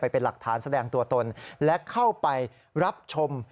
เป็นหลักฐานแสดงตัวตนและเข้าไปรับชม